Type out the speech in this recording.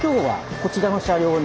こちら後ろの車両に。